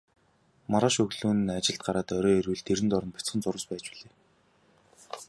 Маргааш өглөө нь ажилд гараад орой ирвэл дэрэн доор бяцхан зурвас байж билээ.